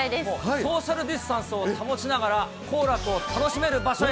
ソーシャルディスタンスを保ちながら、行楽を楽しめる場所へ。